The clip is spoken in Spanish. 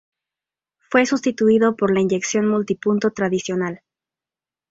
Fue sustituido por la inyección multipunto tradicional.